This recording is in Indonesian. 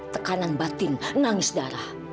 tekanan batin nangis darah